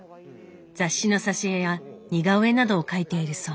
雑誌の挿絵や似顔絵などを描いているそう。